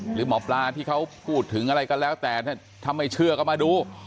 หรือหมอปลาที่เขาพูดถึงอะไรก็แล้วแต่ถ้าไม่เชื่อก็มาดู